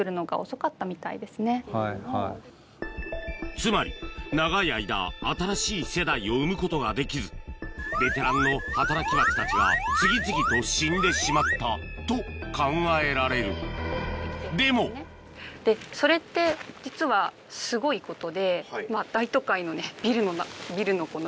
つまり長い間新しい世代を産むことができずベテランの働きバチたちが次々と死んでしまったと考えられるでも考えてみると。